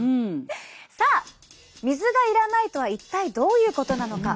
さあ水がいらないとは一体どういうことなのか？